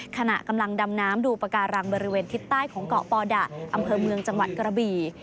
ขณะกำลังดำน้ำดูปากการังบริเวณทิศใต้ของเกาะปอดะอำเภอเมืองจังหวัดกระบี่